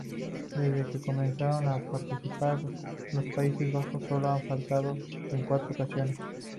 Desde que comenzaron a participar, los Países Bajos solo han faltado en cuatro ocasiones.